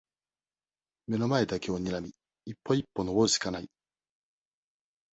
眼の前だけをにらみ、一歩一歩登るしかない。